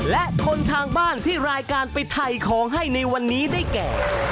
และคนทางบ้านที่รายการไปถ่ายของให้ในวันนี้ได้แก่